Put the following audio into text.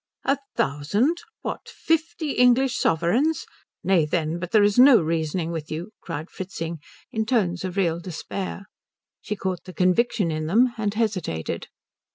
"A thousand? What, fifty English sovereigns? Nay, then, but there is no reasoning with you," cried Fritzing in tones of real despair. She caught the conviction in them and hesitated.